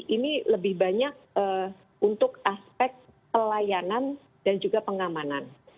ini lebih banyak untuk aspek pelayanan dan juga pengamanan